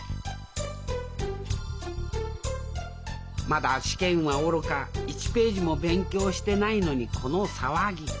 まだ試験はおろか１ページも勉強してないのにこの騒ぎ。